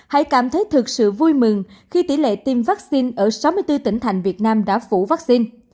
hãy cảm thấy thực sự vui mừng khi tỷ lệ tiêm vaccine ở sáu mươi bốn tỉnh thành việt nam đã phủ vaccine